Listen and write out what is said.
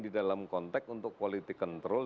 di dalam konteks untuk quality control